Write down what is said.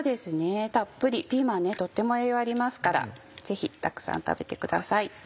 たっぷりピーマンとっても栄養ありますからぜひたくさん食べてください。